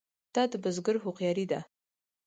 دا د بزګر هوښیاري ده.